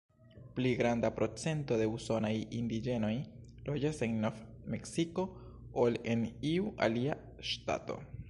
Pli granda procento de usonaj indiĝenoj loĝas en Nov-Meksiko ol en iu alia ŝtato.